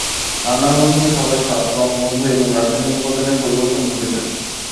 রান্নার মাধ্যমে খাবারের স্বাদ, রঙ, গন্ধ এবং রাসায়নিক উপাদানের পরিবর্তন ঘটে থাকে।